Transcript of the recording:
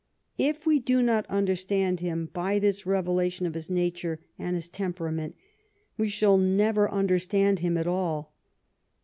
If we do not understand him by this revelation of his nature and his temperament, we shall never understand him at all.